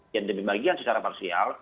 yang dibagian secara parsial